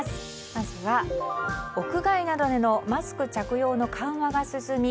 まずは、屋外などでのマスク着用の緩和が進み